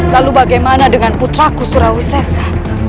lalu bagaimana dengan putraku surawisesa